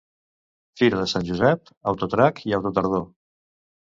Fira de Sant Josep, Autotrac i Autotardor.